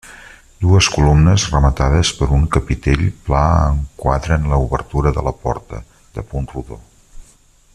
Dues columnes rematades per un capitell pla enquadren l'obertura de la porta, de punt rodó.